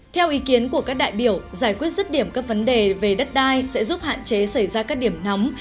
theo ý kiến của các đại biểu giải quyết rứt điểm các vấn đề về đất đai sẽ giúp hạn chế xảy ra các điểm nóng